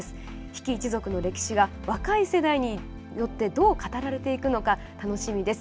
比企一族の歴史が若い世代によってどう語られていくのか楽しみです。